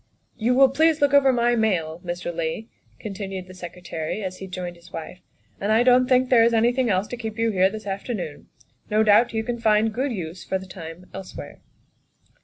" You will please look over my mail, Mr. Leigh," continued the Secretary as he joined his wife, " and I don't think there is anything else to keep you here this afternoon. No doubt you can find good use for the tune elsewhere."